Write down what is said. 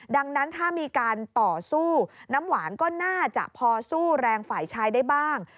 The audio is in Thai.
ดังนั้นถ้ามีการต่อสู้น้ำหวานก็น่าจะพอสู้แรงฝ่ายชายได้บ้าง